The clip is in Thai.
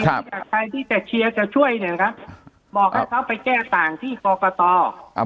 ครับใครที่จะเชียร์จะช่วยเนี่ยนะครับบอกให้เขาไปแก้ต่างที่อ่า